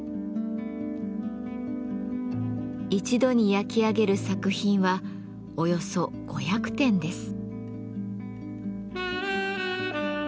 一度に焼き上げる作品はおよそ５００点です。